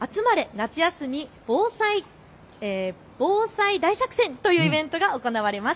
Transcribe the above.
夏休み防災大作戦！というイベントが行われます。